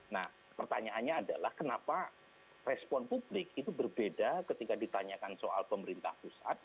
nah pertanyaannya adalah kenapa respon publik itu berbeda ketika ditanyakan soal pemerintah pusat